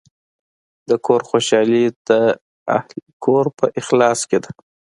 د کور خوشحالي د اهلِ کور په اخلاص کې ده.